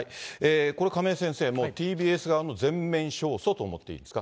これ、亀井先生、もうＴＢＳ側の全面勝訴と思っていいですか？